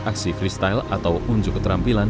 aksi freestyle atau unjuk keterampilan